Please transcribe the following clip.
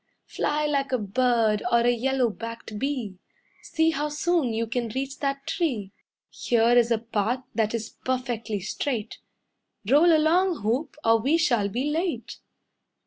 Fly like a bird or a yellow backed bee, See how soon you can reach that tree. Here is a path that is perfectly straight. Roll along, hoop, or we shall be late."